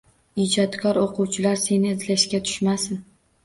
Ijodkor o‘quvchilar seni izlashga tushmasin.